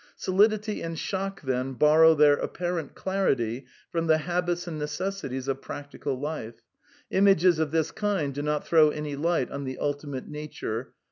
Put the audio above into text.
Solidity and shock, then, borrow their apparent I clarity from the habits and necessities of practical life — images i of this kind do not throw any light on the ultimate nature!